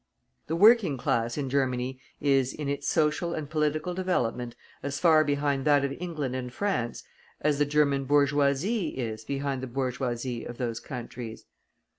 The working class in Germany is, in its social and political development, as far behind that of England and France as the German bourgeoisie is behind the bourgeoisie of those countries.